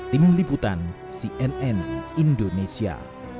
tim liputan cnn indonesia